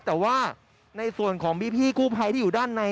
แต่ว่าในส่วนของพี่กู้ภัยที่อยู่ด้านใน